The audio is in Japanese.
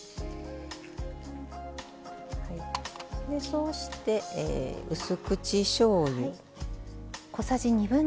そして、うす口しょうゆ。